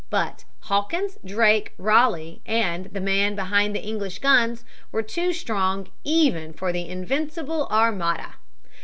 But Hawkins, Drake, Ralegh, and the men behind the English guns were too strong even for the Invincible Armada.